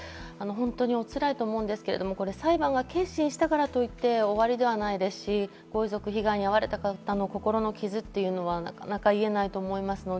お辛いと思うんですけれど、裁判が結審したからといって終わりではないですし、ご遺族、被害に遭われた方の心の傷はなかなか癒えないと思います。